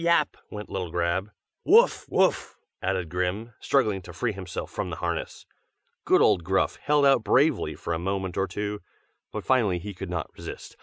yap!" went little Grab; "Woof! woof!" added Grim, struggling to free himself from the harness. Good old Gruff held out bravely for a moment or two; but finally he could not resist.